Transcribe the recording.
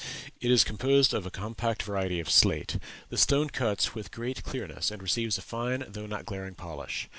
It is composed of a compact variety of slate. This stone cuts with great clearness, and receives a fine though not glaring polish.